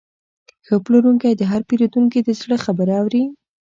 ښه پلورونکی د هر پیرودونکي د زړه خبره اوري.